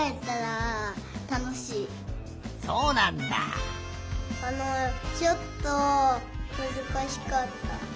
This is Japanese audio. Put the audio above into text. あのちょっとむずかしかった。